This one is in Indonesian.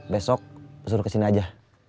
besok suruh kesini aja